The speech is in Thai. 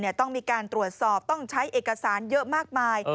ต้องมีการตรวจสอบต้องใช้เอกสารเยอะมากมาย